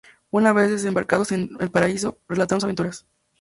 Una vez desembarcados en Valparaíso, relataron sus aventuras.